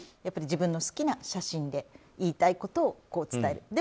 自分の好きな写真で言いたいことを伝える。